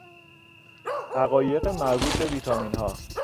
حقایق مربوط به ویتامینها